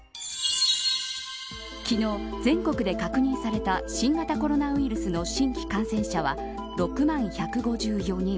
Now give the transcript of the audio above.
昨日、全国で確認された新型コロナウイルスの新規感染者は６万１５４人。